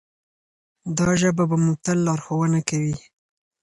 دا ژبه به مو تل لارښوونه کوي.